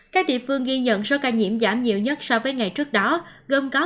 các địa phương ghi nhận số ca nhiễm giảm nhiều nhất so với ngày trước đó gồm có